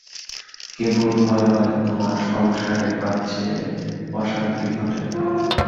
কেবল ভয় হয়, তোমার সংসারে পাছে অশান্তি ঘটে।